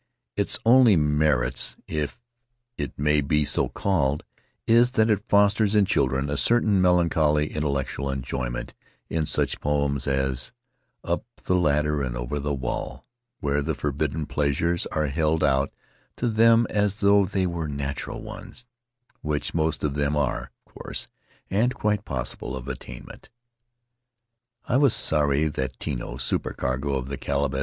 Its only merits, if it may be so called, is that it fosters in chil dren, a certain melancholy intellectual enjoyment in such poems as, "Up the ladder and over the wall," where the forbidden pleasures are held out to them as though they were natural ones — which most of them are, of course — and quite possible of attainment. I was sorry that Tino, supercargo of the Caleb S.